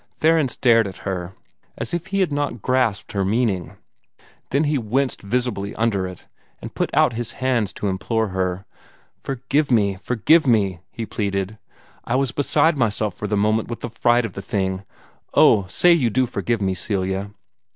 Theron stared at her, as if he had not grasped her meaning. Then he winced visibly under it, and put out his hands to implore her. "Forgive me! Forgive me!" he pleaded. "I was beside myself for the moment with the fright of the thing. Oh, say you do forgive me, Celia!"